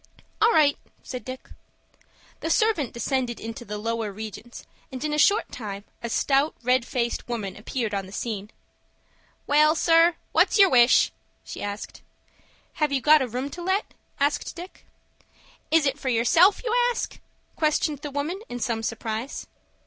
"All right!" said Dick. The servant descended into the lower regions, and in a short time a stout, red faced woman appeared on the scene. "Well, sir, what's your wish?" she asked. "Have you got a room to let?" asked Dick. "Is it for yourself you ask?" questioned the woman, in some surprise.